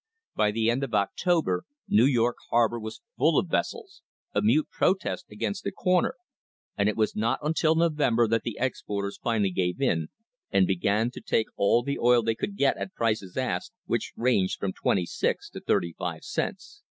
By the end of October New York harbour was full of vessels — a mute protest against the corner — and it was not until November that the exporters fully gave in and began to take all the oil they could get at prices asked, which ranged from twenty six to thirty five cents.